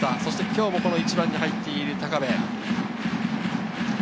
今日も１番に入っている高部。